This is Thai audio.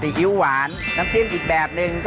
ปู่พญานาคี่อยู่ในกล่อง